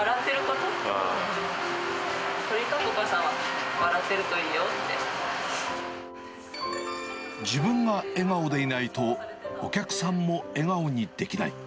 とにかくお母さんは、自分が笑顔でいないと、お客さんも笑顔にできない。